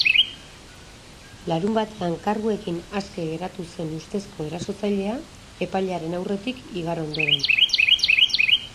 Larunbatean karguekin aske geratu zen ustezko erasotzailea, epailearen aurretik igaro ondoren.